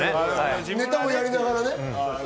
ネタもやりながらね。